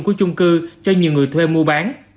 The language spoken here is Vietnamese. của chung cư cho nhiều người thuê mua bán